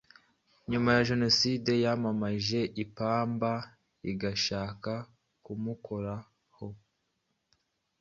nyuma ya Jenoside yamamaje ipamba rigashaka kumukoraho.